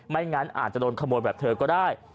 งั้นอาจจะโดนขโมยแบบเธอก็ได้